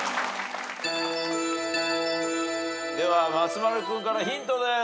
では松丸君からヒントです。